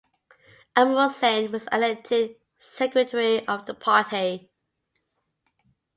Amul Sen was elected secretary of the party.